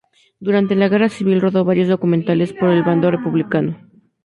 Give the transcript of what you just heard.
Durante la Guerra Civil rodó varios documentales para el bando republicano.